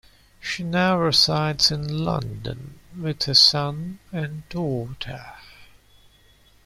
She now resides in London with her son and daughter.